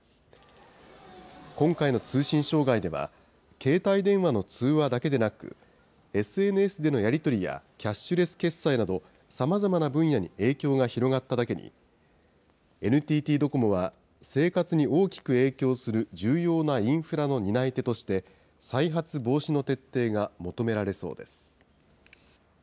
今回の通信障害では、携帯電話の通話だけでなく、ＳＮＳでのやり取りやキャッシュレス決済など、さまざまな分野に影響が広がっただけに、ＮＴＴドコモは、生活に大きく影響する重要なインフラの担い手として、再発防止の徹底が求められそうです。